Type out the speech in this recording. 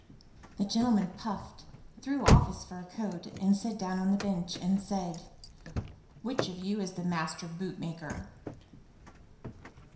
The gentleman puffed, threw off his fur coat, sat down on the bench, and said, "Which of you is the master bootmaker?"